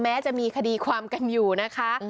แม้จะมีคดีความกันอยู่นะคะ